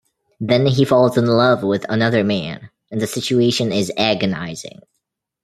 Then he falls in love with another man, and the situation is agonizing.